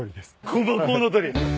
こまコウノトリ。